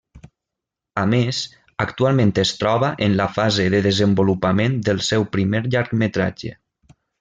A més, actualment es troba en la fase de desenvolupament del seu primer llargmetratge.